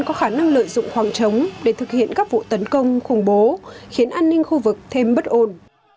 có khả năng lợi dụng khoảng trống để thực hiện các vụ tấn công khủng bố khiến an ninh khu vực thêm bất ổn